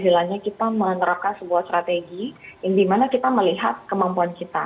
istilahnya kita menerapkan sebuah strategi yang dimana kita melihat kemampuan kita